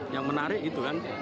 yang menarik itu kan